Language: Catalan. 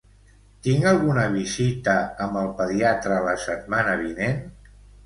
Tinc alguna visita amb el pediatre la setmana vinent?